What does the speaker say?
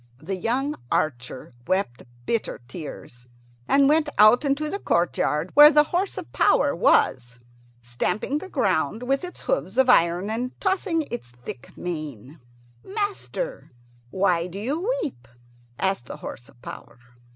The young archer wept bitter tears, and went out into the courtyard, where the horse of power was, stamping the ground with its hoofs of iron and tossing its thick mane. "Master, why do you weep?" asked the horse of power.